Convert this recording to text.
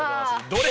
どれ？